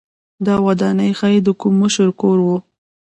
دا ودانۍ ښايي د کوم مشر کور و.